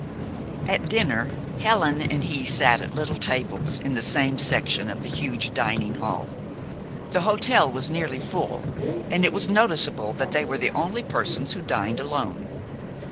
At dinner Helen and he sat at little tables in the same section of the huge dining hall. The hotel was nearly full, and it was noticeable that they were the only persons who dined alone.